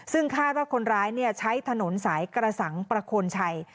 ซึ่งคาดว่าคนร้ายใช้ถนนสายกระสังประโคนชัย